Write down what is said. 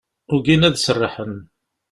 Ugin ad serrḥen.